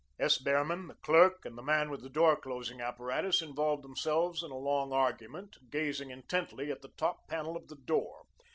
S. Behrman, the clerk, and the man with the door closing apparatus involved themselves in a long argument, gazing intently at the top panel of the door.